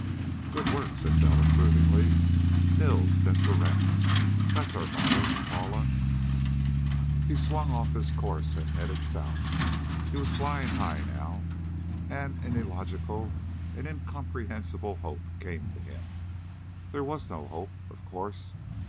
"Good work!" said Bell approvingly. "Nils desperandum! That's our motto, Paula." He swung off his course and headed south. He was flying high, now, and an illogical and incomprehensible hope came to him. There was no hope, of course.